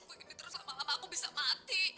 aku ingin terus lama lama aku bisa mati